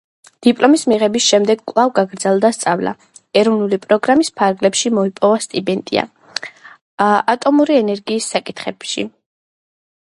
დიპლომის მიღების შემდეგ კვლავ გააგრძელა სწავლა, ეროვნული პროგრამის ფარგლებში მოიპოვა სტიპენდია ატომური ენერგიის საკითხებში.